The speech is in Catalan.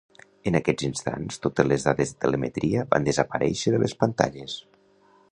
En aquest instant totes les dades de telemetria van desaparèixer de les pantalles.